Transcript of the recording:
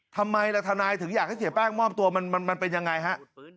ทำไมล่ะทนายถึงอยากให้เสียแป้งมอบตัวมันเป็นยังไงฮะ